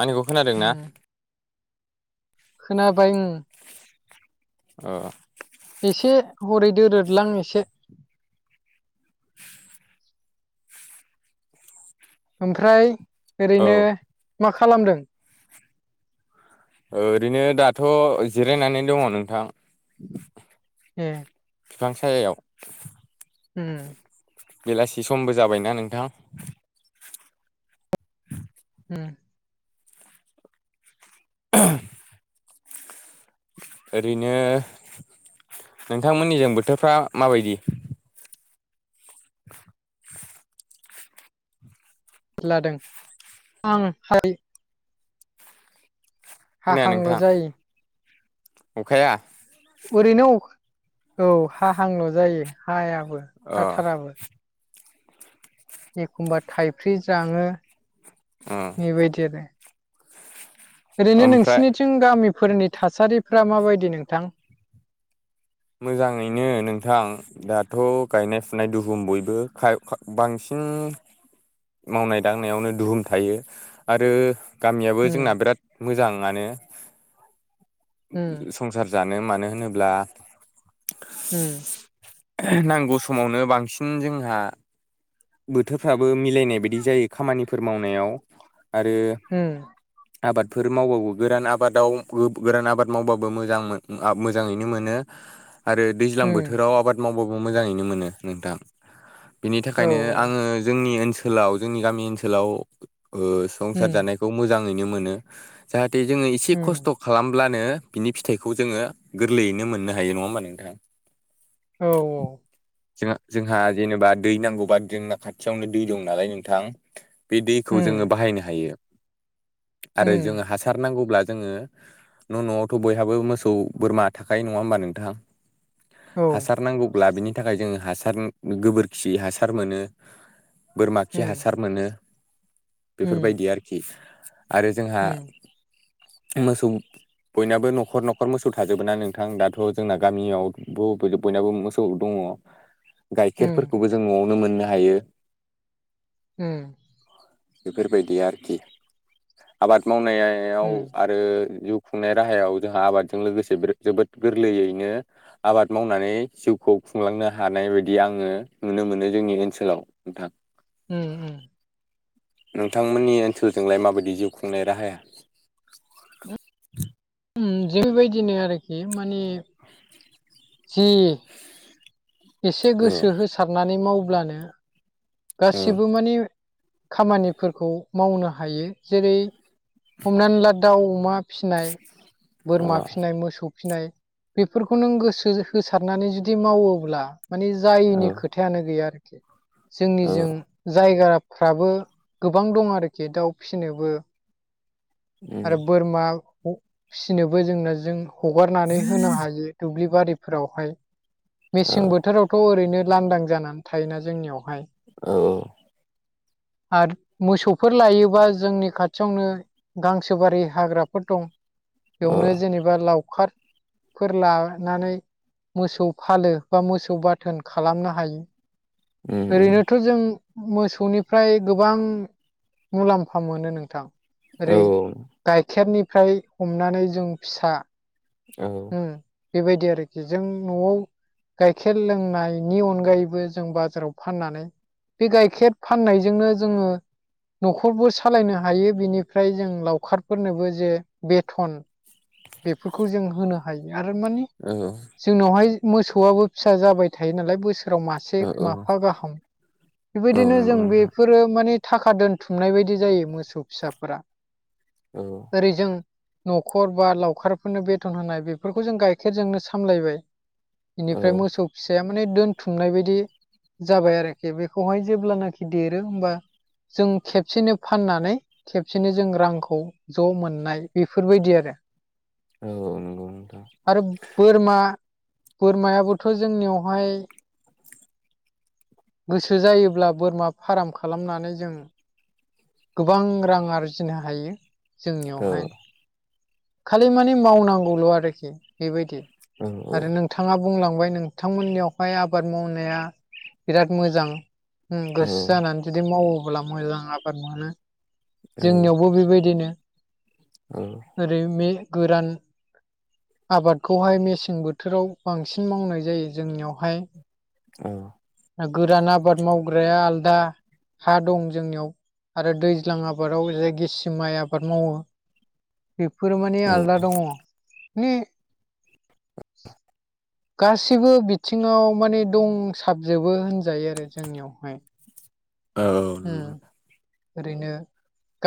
आंनिखौ खोनादोंना ओम खोनाबाय ओं अ एसे हरै दोरोदलां एसे ओमफ्राय औ ओरैनो मा खालामदों ओरैनो दाथ' जिरायनानै दङ नोंथां ए बिफां सायायाव होम बेलासि समबो जाबायना नोंथां ओम [inaudible] ओरैनो नोंथांमोननिजों बोथोरफ्रा माबायदि लादों आं हाय खोनाया हाहांल' नोंथां जायो अखाया ओरैनो औ हाहांल' जायो हायाबो अ हाथाराबो एखमबा थाइफ्रि ज्राङो ओम बेबायदि आरो ओरैनो ओमफ्राय नोंसिनिथिं गामिफोरनि थासारिफ्रा माबायदि नोंथां मोजाङैनो नोंथां दाथ' गायनाय फुनाय दुहुम बयबो बांसिन मावनाय दांनायावनो दुहुम थायो आरो गामियाबो जोंना उम बिराद मोजाङानो उम संसार जानो मानो होनोब्ला होम नांगौ समावनो बांसिन जोंहा बोथोरफ्राबो मिलायनाय बायदि जायो खामानिफोर मावनायाव आरो ओम आबादफोर मावबाबो गोरान आबादाव गोरान आबाद मावबाबो मोजां मोजाङैनो मोनो आरो दैज्लां उम बोथोराव आबाद मावबाबो मोजाङैनो मोनो नोंथां बिनि औ थाखायनो आङो जोंनि ओनसोलाव जोंनि गामि ओनसोलाव ओ संसार उम जानायखौ मोजाङैनो मोनो जाहाथे जोङो एसे उम खसथ' खालामब्लानो बिनि फिथाइखौ जोङो गोरलैयैनो मोननो हायो नङा होमबा नोंथां औ औ जोंहा जोंहा जेनेबा दै नांगौबा जोंना खाथियावनो दै दं नालाय नोंथां बे दैखौ उम जोङो बाहायनो हायो आरो उम जोङो हासा र नांगौब्ला जोङो न' न'आवथ' बयहाबो मोसौ बोरमा थाखायो नङा होनोबा नोंथां थां औ हासार नांगौ अब्ला बिनि थाखाय जोङो हासार गोबोरखि हासार मोनो बोरमा खि उम, हासार मोनो उम, बेफोरबायदि आरोखि आरो जोंहा उम, मोसौ बयनाबो न'खर न'खर मोसौ थाजोबो ना नोंथां दाथ' जोंना गामियाव बयनाबो मोसौ दङ उम, गाइखेरफोरखौबो जों न'आवनो मोननो हायो होम बेफोरबायदि आरोखि आबाद मावनाया उम, आरो जिउ खुंनाय राहायाव जोंहा आबादजों लोगोसे जोबोद गोरलैयैनो आबाद मावनानै जिउखौ खुंलांनो हानाय बायदि आङो नुनो मोनो जोंनि ओनसोलाव नोंथां ओम ओम नोंथांमोननि ओनसोलजोंलाय माबायदि जिउ खुंनाय राहाया ओम जेबायदिनो आरोखि माने जि एसे गोसो होसारनानै मावब्लानो गासैबो मानि खामानिफोरखौ मावनो हायो जेरै हमनानै ला दाउ अमा फिसिनाय बोरमा फिसिनाय मोसौ फिसिनाय बेफोरखौ नों गोसो होसारनानै जुदि मावोब्ला माने जायैनि खोथा थायानो गैया आरोखि जोंनिजों जायगाफ्राबो गोबां दं आरोखि दाउ फिसिनोबो आरो बोरमा फिसिनोबो जोंनो जों हगारनानै होनो हायो दुब्लि बारि फोरावहाय मेसें बोथोरावथ' ओरैनो लांदां जानानै थायोना जोंनियावहाय औ औ आरो मोसौफोर लायोबा जोंनि खाथियावनो गांसो बारि हाग्राफोर दं बेयावनो जेनेबा लावखार फोर लानानै मोसौ फालो बा मोसौ बाथोन खालामनो हायो ओरैनोथ' जों मोसौनिफ्राय गोबां मुलाम्फा मोनो नोंथां ओरै गाइखेरनिफ्राय हमनानै जों फिसा ओ उम बेबायदि आरोखि जों न'वाव गाइखेर लोंनायनि अनगायैबो जों बाजाराव फाननानै बे गाइखेर फाननायजोंनो जोङो न'खरबो सालायनो हायो बिनिफ्राय जों लावखारफोरनोबो जे बेथन बेफोरखौ जों होनो हायो आरो माने नंगौ जोंनावहाय मोसौआबो फिसा जाबाय थायो नालाय मोसौ जेराव मासे माफा गाहाम बेबायदिनो जों बे बेफोरो माने थाखा दोनथुमनाय बायदि जायो मोसौ फिसाफोरा औ ओरै जों न'खर बा लावखारफोरनो बे बथन होनाय बेफोरखौ जों गाइखेरजोंनो सामलायबाय इनिफ्राय मोसौ फिसाया माने दोनथुमनाय बायदि जाबाय आरोखि बेखौहाय जेब्लानाखि देरो होमबा जों खेबसेनो फाननानै खेबसेनो जों रांखौ ज' मोननाय बेफोरबायदि आरो औ नंगौ नोंथां आरो बोरमा बोरमायाबोथ' जोंनियावहाय गोसो जायोब्ला बोरमा फाराम खालामनानै जों गोबां रां आरजिनो हायो जोंनियावहाय खालि माने मावनांगौल' आरोखि बेबायदि आरो नों थाङा बुंलांबाय नोंथांमोननियावहाय आबाद मावनाया बिराद मोजां उम गोसो जानानै जुदि मावोब्ला मोजां आबाद मोनो जोंनियावबो बेबायदिनो औ ओरै मे गोरान आबादखौहाय मेसें बोथोराव बांसिन मावनाय जायो जोंनियावहाय औ गोरान आबाद मावग्राया आलदा हा दं जोंनियाव आरो दैज्लां आबादाव जाय गेसि माइ आबाद मावो बेफोरो माने आलदा दङ' नि गासिबो बिथिङाव माने दंसाबजोबो होनजायो आरो जोंनियावहाय। औ। ओ ओरैनो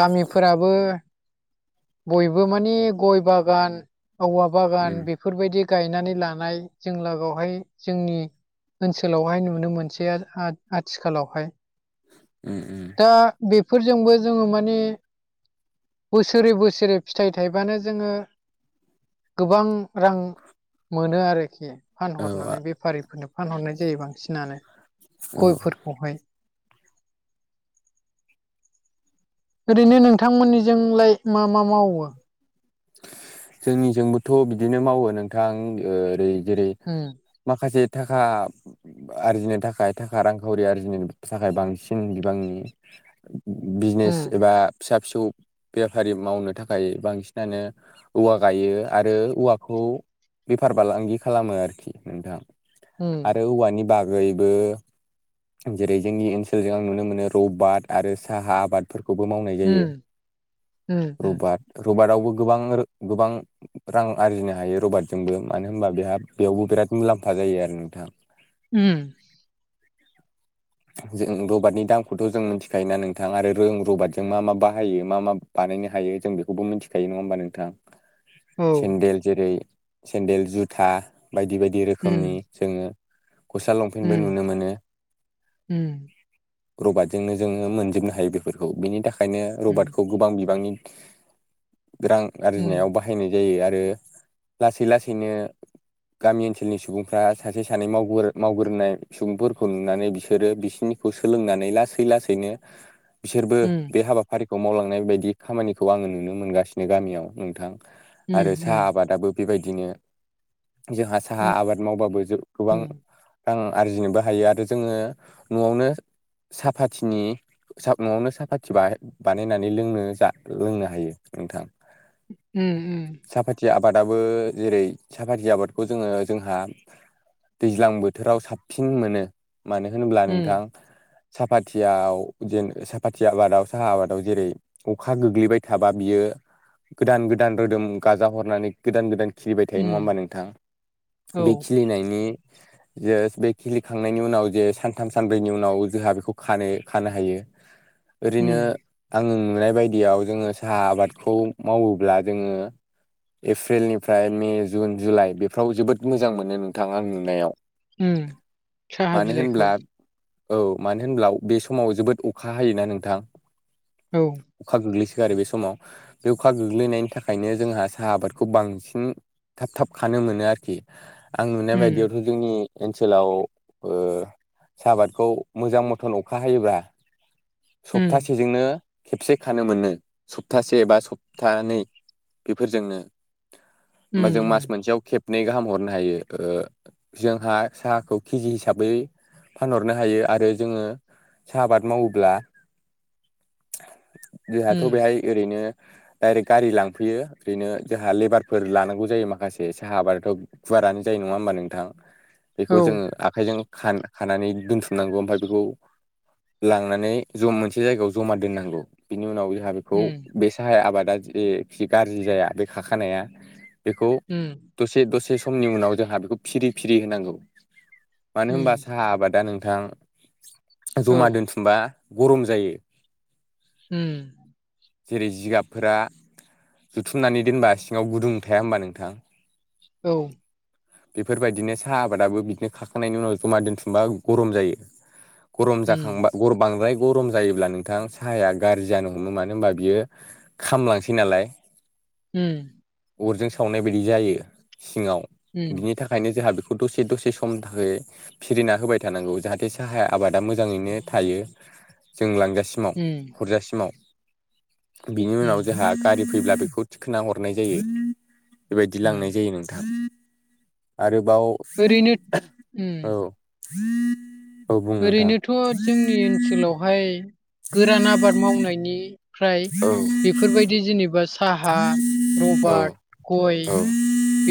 गामिफोराबो बयबो माने गय बागान औवा उम बागान बे फोर बायदि गायनानै लानाय जों लागावहाय जोंनि ओनसोलावहाय नुनो मोनसै आ-आथिखालावहाय उम दा बेफोरजोंबो जोङो माने बोसोरै बोसोरै फिथाइ थाइबानो जोङो गोबां रां मोनो आरोखि औ आ फानहरनानै बेफारिफोरनो फानहरनाय जायो बांसिनानो औ गयफोरखौहाय ओरैनो नोंथांमोननिजोंलाय मा मा मावो? जोंनिजोंबोथ' बिदिनो मावो नोंथां ओरै जेरै उम माखासे थाखा आरजिनो थाखाय थाखा रांखावरि आरजिनो थाखाय बांसिन बिबांनि बिजनेस उम एबा फिसा फिसौ बेफारि मावनो थाखाय बांसिन [unintelligible] नो औवा गायो आरो औवाखौ बेफार फालांगि खालामो आरोखि नोंथां उम आरो औवानि बाग बयबो जेरै जोंनि ओनसोलजों आं नुनो मोनो रबाद आरो साहा आबाद फोरखौबो मावनाय जायो उम उम उम रबार रबाटआवबो गोबां गोबां रां आरजिनो हायो रबादजोंबो मानो होनबा बेहा बेयावबो बिराद मुलाम्फा जायो आरो नोंथां। उम जों रबादनि दामखौथ' जों मिथिखायोना नोंथां आरो रों रबारजों मा मा बाहायो मा मा बानायनो हायो जों बेखौबो मिथिखायो नङा होमबा नोंथां। औ सेन्देल जेरै सेन्देल जुथा बायदि बायदि उम रोखोमनि जोङो गसा उम लंपेन्टबो नुनो मोनो। उम रबटजोंनो जोङो मोनजोबनो हायो बेफोरखौ बेनि थाखाय खायनो रबार्टखौ गोबां बिबांनि रां आरजिनायाव बाहाय बाहायनाय जायो आरो लासै-लासैनो गामि ओनसोलनि सुबुंफ्रा सासे सानै मावगोर-मावगोरोनाय सुबुंफोरखौ नुनानै बिसोर बिसोरो बिसोरनिखौ सोलोंनानै लासै लासैनो बिसोरबो बे हाबा फारिखौ मावलांनाय बायदि खामानिखौ आङो नुनो मोनगासिनो गामियाव नोंथां। आरो साहा आबादाबो बेबायदिनो जोंहा साहा आबाद मावबाबो जोब गोबां रां आरजिनोबो हायो आरो जोङो न'आवनो सापाथिनि सा न'आवनो साहापाथि बानायनानै लोंनो जा लोंनो हायो नोंथां। ओम उम साफाथि आबादाबो जेरै सापाथि आबादखौ जोङो जोंहा दैज्लां बोथोराव साबसिन मोनो। मानो होनोब्ला नोंथां साफाथियाव जेन साफाथि आबादाव साहा आबादाव जेरै अखा गोग्लैबाय थाबा बियो गोदान गोदान रोदोम गाजा हरनानै गोदान गोदान खिलिबाय थायो नङा होमबा नोंथां बे खिलिनायनि जे सा बे खिलिखांनायनि उनाव जे सानथाम सानब्रैनि उनाव जोहा बेखौ खानो खानो हायो ओरैनो आङो नुनाय बायदियाव जोङो साहा आबादखौ मावोब्ला जोङो एप्रिलनिफ्राय मे, जुन, जुलाइ बेफ्राव जोबोद मोजां मोनो नोंथां आं नुनायाव। उम साहा मानो बिलाइखौ। होनब्ला औ मानो होनब्ला बे समाव जोबोद अखा हायोना नोंथां औ अखा गोग्लैसो गारो बे समाव अखा गोग्लैनायनि थाखायनो जोंहा साहा आबादखौ बांसिन थाब थाब खानो मोनो आरोखि आं नुनाय बायदियावथ' जोंनि ओनसोलाव ओ साह आबादखौ मोजां मथन अखा हायोब्ला सप्तासे जोंनो खेबसे खानो मोनो सप्तासे एबा सप्तानै बेफोरजोंनो होमबा जों मास मोनसेयाव खेब- नै गाहाम हरनो हायो ओ जोंहा साहाखौ केजि हिसाबै फानहरनो हायो आरो जोङो साहा आबाद मावोब्ला जोंहाथ' बेहाय ओरैनो डाइरेक्ट गारि लांफैयो ओरैनो जोंहा लेबारफोर लानांगौ जायो माखासे साहा आबादाथ' गुवारानो जायो नङा होमबा नोंथां बेखौ जोङो आखाइजों खान खानानै दोनथुमनांगौ ओमफ्राय बेखौ लांनानै ज मोनसे जायगायाव जमा दोननांगौ बिनि उनाव जोंहा बेखौ बे साहा आबादा जेखि गाज्रि जाया बे खाखानाया बेखौ दसे दसे समनि उनाव जोंहा बेखौ फिदिं फिदिं होनांगौ मानो होनबा आ आबादा नोंथां जमा दोनथुमबा गरम जायो ओम जेरै जिगाबफोरा जुथुमनानै दोनबा सिङाव गुदुं थाया होमबा नोंथां औ बेफोरबायदिनो साहा आबादाबो बिदिनो खाखांनायनि उनाव जमा दोनथुम बा गरम जायो गरम जाखांबा बांद्राय गरम जायोब्ला नोंथां साहाया गाज्रि जानो हमो मानो होनबा बियो खामलांसै नालाय उ अरजों सावनाय बायदि जायो सिङाव बिनि थाखाय ओंखायनो जोंहा बेखौ दसे दसे समनि थाखाय फिरिना होबाय थानांगौ जाहाथे साहाया आबादा मोजाङैनो थायो जों लांजासिम आव हरजासिमाव बिनि उनाव जोंहा गारि फैब्ला बेखौ थिखोना हरनाय जायो बेबायदि लांनाय जायो नोंथां आरोबाव ओरैनो ओम [inaudible] नोंथां ओरैनोथ' जोंनि ओनसोलावहाय गोरान आबाद मावनायनिफ्राय औ बेफोरबायदि जेनेबा औ उम औ साहा रबाट गय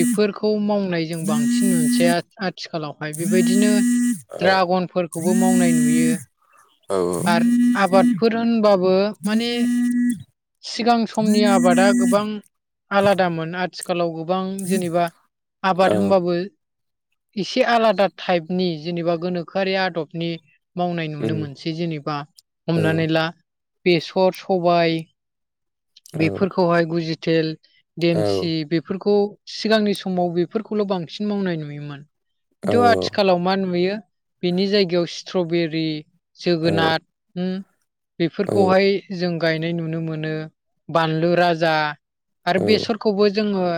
बेफोरखौ माव बांसिन आथिखालावहाय बेबायदिनो द्रागनफोरखौबो माव मावनाय नुयो आरो आबादफोर होनबो माने सिगां समनि आबादा गोबां आलादामोन आरो आथिखालाव गोबां जेनेबा आबाद होनबाबो एसे आलादा टाइपनि जेनेबा गोनोखोआरि आदबनि मावनाय नुनो मोनसै जेनेबा हमनानै ला बेसर सबाय बेफोरखौहाय गुजिथेल देमसि बेफोरखौ सिगांनि समाव बेफोरखौल' बांसिन मावनाय नुयोमोन खिन्थु आथिखाल औ आथिखालाव मा नुयो बिनि जायगायाव स्ट्रबेरि जोगोनाथ औ बेफोरखौहाय जों गायनाय नुनो मोनो बानलु राजा औ आरो बेसर खौबो जोङो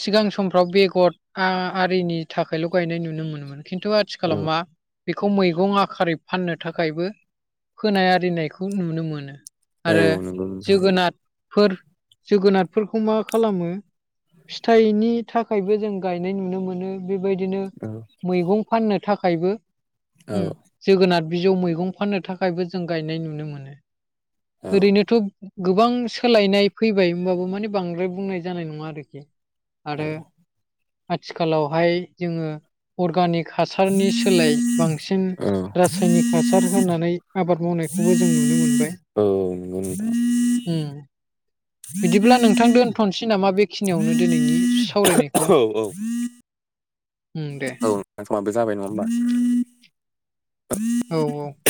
सिगां समफ्राव बेगर आरिनि थाखायल' गायनाय नुनो मोनोमोन खिन्थु आरो आथिखालाव मा बेखौ मैगं आखारै फाननो थाखायबो होनाय आरिनायखौ नुनो मोनो। औ आरो नगौ नोंथां जोगोनारफोर जोगोनारफोरखौ मा खालामो फिथाइनि थाखायबो जों गायनाय नुनो मोनो। बेबायदिनो औ मैगं फाननो थाखायबो औ जोगोनार बिजौ मैगं फाननो थाखायबो जों गायनाय नुनो मोनो औ ओरैनोथ' गोबां सोलायनाय फैबाय होमबाबो माने बांद्राय बुंनाय जानाय नङा आरोखि आरो नंगौ आथिखालावहाय जोङो अर्गानिक हासारनि सोलाय बांसिन रासायनिक हासार होनानै आबाद मावनायखौबो जों नुनो मोनबाय औ [inaudible] उम बिदिब्ला नोंथां दोनथ'नोसै नामा बेखिनियावनो दिनैनि सावरायनायखौ औ औ उम दे दा समाबो जाबाय नङा ओमबा औ औ